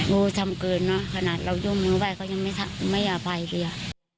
ดูทำเกินเนอะขนาดเรายุ่งนึงไว้เขายังไม่อภัยเลย